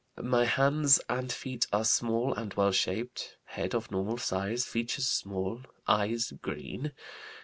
My hands and feet are small and well shaped. Head of normal size. Features small. Eyes green.